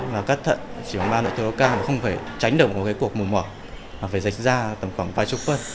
và cắt thận chỉ có ba lỗ tư đấu ca mà không phải tránh động một cuộc mổ mở mà phải dạy da tầm khoảng vài chục phân